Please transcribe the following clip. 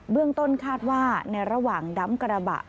เรื่องต้นคาดว่าในระหว่างดำกระบะ